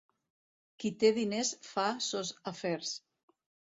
Qui té diners fa sos afers.